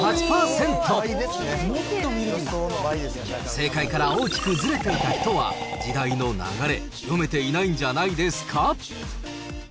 正解から大きくずれていた人は、時代の流れ、読めていないんじゃないですか？